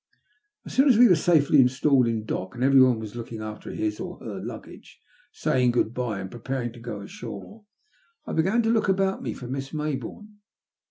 As soon as we were safely installed in dock, and everyone was looking after his or her luggage, saying "good bye" and preparing to go ashore, I began to look about me for Miss Mayboume.